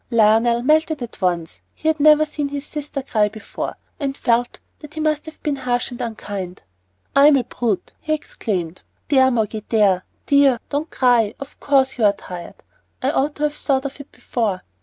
Lionel melted at once. He had never seen his sister cry before, and felt that he must have been harsh and unkind. "I'm a brute," he exclaimed. "There, Moggy, there, dear don't cry. Of course you're tired; I ought to have thought of it before."